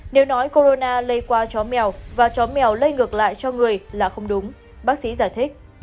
nếu nói corona lây qua chó mèo và chó mèo lây ngược lại cho người là không đúng bác sĩ giải thích